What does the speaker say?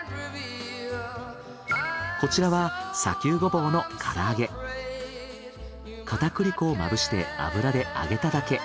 こちらは片栗粉をまぶして油で揚げただけ。